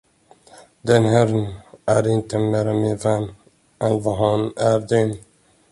Den herrn är inte mera min vän, än vad han är din.